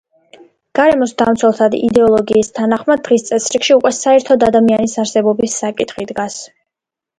გარემოს დამცველთა იდეოლოგიის თანახმად დღის წესრიგში უკვე საერთოდ ადამიანის არსებობის საკითხი დგას.